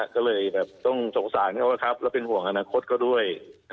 ก็เลยแบบต้องสงสารเขาแล้วเป็นห่วงอนาคตเขาด้วย